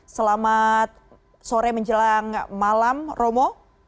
selamat sore menjelang malam romo